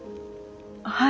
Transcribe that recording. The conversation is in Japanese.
はい。